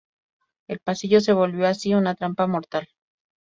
El pasillo se volvió así una trampa mortal.